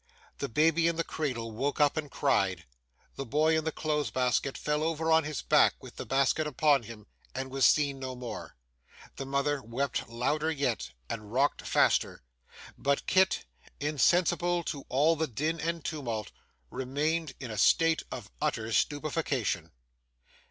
The baby in the cradle woke up and cried; the boy in the clothes basket fell over on his back with the basket upon him, and was seen no more; the mother wept louder yet and rocked faster; but Kit, insensible to all the din and tumult, remained in a state of utter stupefaction.